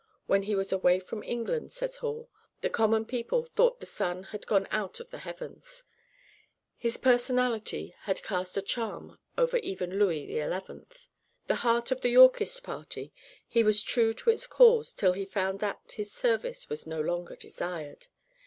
When he was away from England, says Hall, the common people thought the sun had gone out of the heavens. His personality cast a charm over even Louis XI. The heart of the Yorkist party, he was true to its cause till he found that his service was no longer desired.